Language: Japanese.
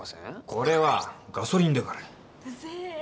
これはガソリンだからウゼえ